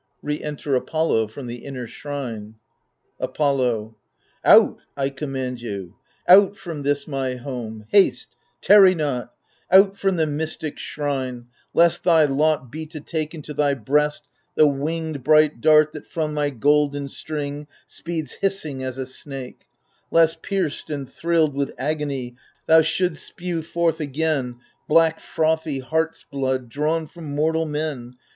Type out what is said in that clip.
[Re ^nter Apollo from the inner shrine, Apollo Out 1 I command you. Out from this my home — Haste, tarry not ! Out from the mystic shrine, Lest thy lot be to take into thy breast ^ The winged bright dart that from my golden string Speeds hissing as a snake, — lest, pierced and thrilled With agony, thou shouldst spew forth again Black frothy heart*s blood, drawn from mortal men.